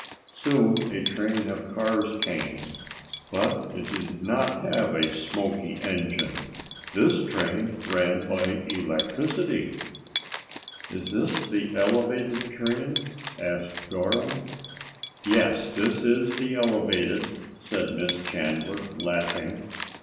Soon a train of cars came, but it did not have a smoky engine. This train ran by electricity. "Is this the evelated train?" asked Dora. "Yes, this is the elevated," said Miss Chandler, laughing.